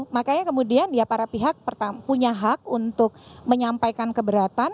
makanya kemudian ya para pihak punya hak untuk menyampaikan keberatan